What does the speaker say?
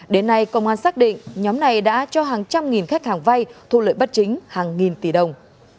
đến nay công an xác định nhóm này đã cho hàng trăm nghìn khách hàng vay thu lợi bất chính hàng nghìn tỷ đồng